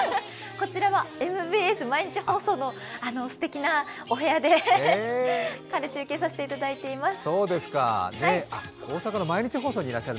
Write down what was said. こちらはＭＢＳ毎日放送のすてきなお部屋から中継させていただいています。